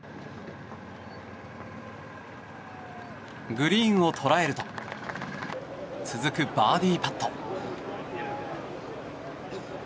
グリーンを捉えると続くバーディーパット。